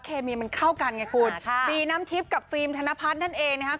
เคมีมันเข้ากันไงคุณค่ะบีน้ำทิพย์กับฟิล์มธนพัฒน์นั่นเองนะครับ